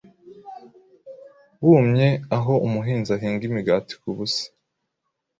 wumye aho umuhinzi ahinga imigati kubusa